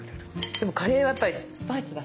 でもカレーはやっぱりスパイスがすごい。